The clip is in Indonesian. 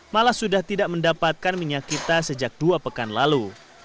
malah sudah tidak mendapatkan minyak kita sejak dua pekan lalu